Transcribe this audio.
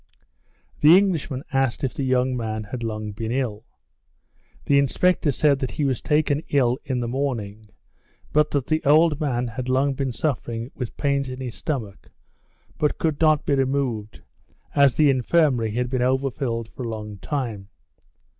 The Englishman asked if the young man had long been ill. The inspector said that he was taken ill in the morning, but that the old man had long been suffering with pains in the stomach, but could not be removed, as the infirmary had been overfilled for a long time.